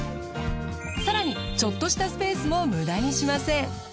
更にちょっとしたスペースも無駄にしません。